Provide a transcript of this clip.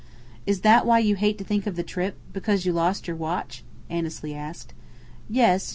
"Is that why you hate to think of the trip because you lost your watch?" Annesley asked. "Yes.